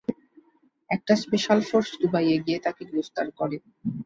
একটা special force দুবাইয়ে গিয়ে তাকে গ্রেফতার করে।